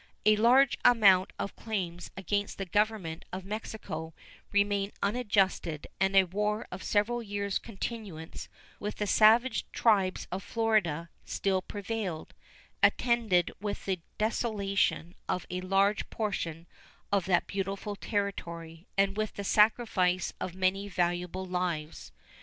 A large amount of claims against the Government of Mexico remained unadjusted and a war of several years' continuance with the savage tribes of Florida still prevailed, attended with the desolation of a large portion of that beautiful Territory and with the sacrifice of many valuable lives.